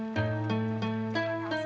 siap tak siap